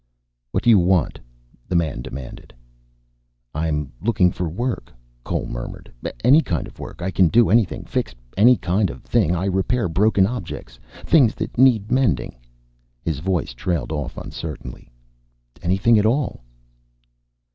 "What do you want?" the man demanded. "I'm looking for work," Cole murmured. "Any kind of work. I can do anything, fix any kind of thing. I repair broken objects. Things that need mending." His voice trailed off uncertainly. "Anything at all."